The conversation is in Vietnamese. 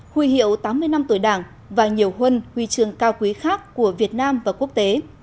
huy hiệu tám mươi năm tuổi đảng và nhiều huân huy trường cao quý khác của việt nam và quốc tế